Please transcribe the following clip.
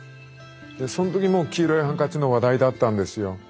でその時も「黄色いハンカチ」の話題だったんですよ。